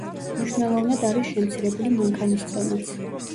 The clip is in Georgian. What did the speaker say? მნიშვნელოვნად არის შემცირებული მანქანის წონაც.